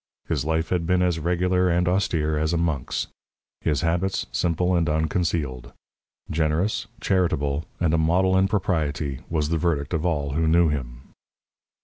His life had been as regular and austere as a monk's; his habits, simple and unconcealed. Generous, charitable, and a model in propriety, was the verdict of all who knew him.